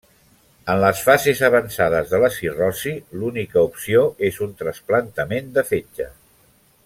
En les fases avançades de la cirrosi l'única opció és un trasplantament de fetge.